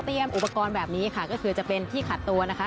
อุปกรณ์แบบนี้ค่ะก็คือจะเป็นที่ขัดตัวนะคะ